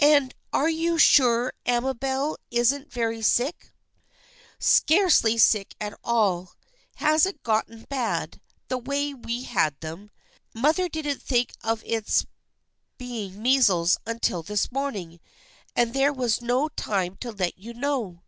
And are you sure Amabel isn't very sick ?"" Scarcely sick at all. Hasn't got 'em bad, the way we had them. Mother didn't think of its be ing measles until this morning, and there was no time to let you know."